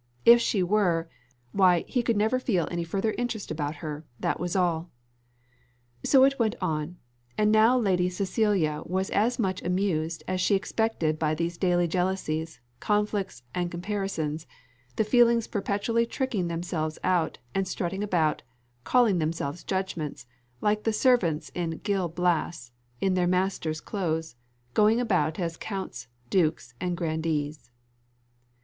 If she were why he could never feel any further interest about her that was all! So it went on; and now Lady Cecilia was as much amused as she expected by these daily jealousies, conflicts, and comparisons, the feelings perpetually tricking themselves out, and strutting about, calling themselves judgments, like the servants in Gil Blas in their masters' clothes, going about as counts dukes, and grandees.